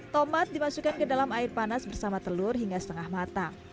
tomat dimasukkan ke dalam air panas bersama telur hingga setengah matang